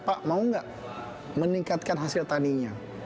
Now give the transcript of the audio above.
pak mau nggak meningkatkan hasil taninya